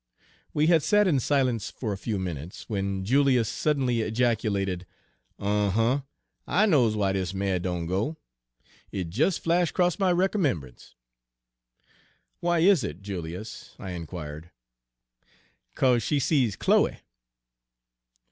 We had sat in silence for a few minutes, when Julius suddenly ejaculated, "Uh huh! I knows w'y dis mare doan go. It des flash' 'cross my recommemb'ance." "Why is it, Julius?" I inquired. "'Ca'se she sees Chloe."